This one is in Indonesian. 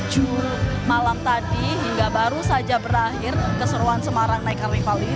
dari setengah tujuh malam tadi hingga baru saja berakhir keseruan semarang night carnival ini